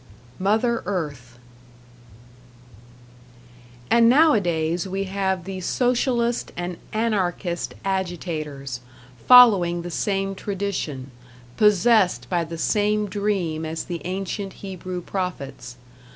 #Mother Earth# And nowadays we have the Socialist and Anarchist agitators, following the same tradition, possessed by the same dream as the ancient Hebrew prophets.